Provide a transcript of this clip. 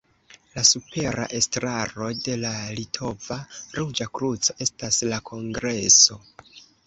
La supera estraro de la Litova Ruĝa Kruco estas la kongreso.